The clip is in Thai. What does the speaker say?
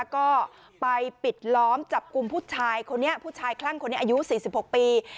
ก็ไปปิดล้อมจับกลุ่มผู้ชายคนนี้ผู้ชายคลั่งคนนี้อายุ๔๖ปี